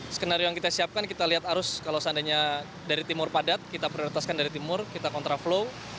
skenario yang kita siapkan kita lihat arus kalau seandainya dari timur padat kita prioritaskan dari timur kita kontra flow